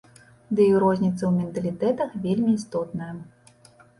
Ды і розніца ў менталітэтах вельмі істотная.